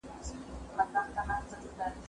زه اوږده وخت کتابتون ته ځم وم؟